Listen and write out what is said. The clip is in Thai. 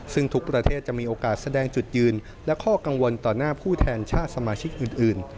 ซึ่งทุกประเทศจะมีโอกาสแสดงจุดยืนและข้อกังวลต่อหน้าผู้แทนชาติสมาชิกอื่น